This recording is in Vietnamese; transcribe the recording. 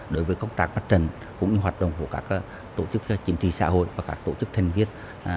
đối với công tác mặt trần cũng như hoạt động của các tổ chức chính trị xã hội và các tổ chức thành viên